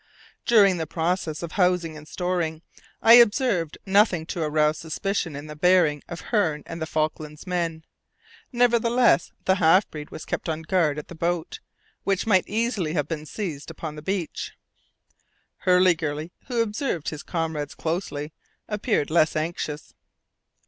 During the process of housing and storing, I observed nothing to arouse suspicion in the bearing of Hearne and the Falklands men. Nevertheless, the half breed was kept on guard at the boat, which might easily have been seized upon the beach. Hurliguerly, who observed his comrades closely, appeared less anxious.